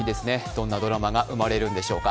どんなドラマが生まれるんでしょうか。